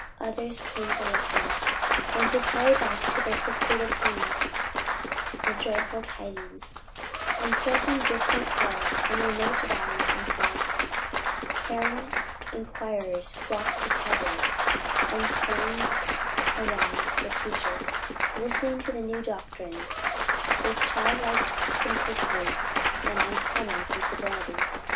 Others came to listen, and to carry back to their secluded hamlets the joyful tidings; until "from distant hills and remote valleys and forests, Karen inquirers flocked to Tavoy, and thronged around the teacher;" listening to the new doctrines with childlike simplicity and uncommon sensibility.